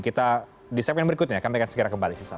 kita disiapkan berikutnya kami akan segera kembali